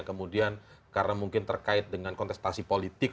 kemudian karena mungkin terkait dengan kontestasi politik